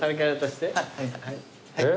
はい。